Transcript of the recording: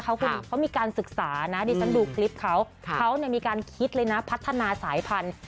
เขามีการศึกษานะดิฉันดูคลิปเขาเขามีการคิดเลยนะพัฒนาสายพันธุ